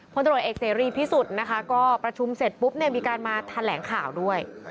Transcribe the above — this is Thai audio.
ตรวจเอกเสรีพิสุทธิ์นะคะก็ประชุมเสร็จปุ๊บเนี่ยมีการมาแถลงข่าวด้วย